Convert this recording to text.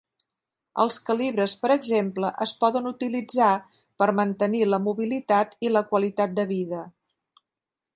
Els calibres, per exemple, es poden utilitzar per mantenir la mobilitat i la qualitat de vida.